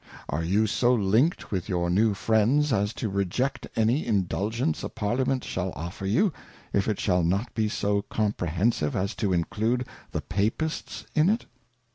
———~~ Are you so linked with your new Friends, as to reject any [Indulgence a Parliament shall offer you, if it shall not be so .comprehensive as to include the Papists in it?